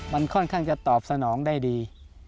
มันค่อนข้างจะตอบสนองได้ดี